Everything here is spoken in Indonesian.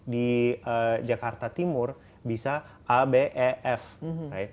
di jakarta timur bisa abef right